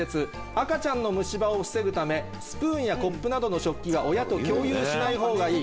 赤ちゃんの虫歯を防ぐためスプーンやコップなどの食器は親と共有しない方がいい。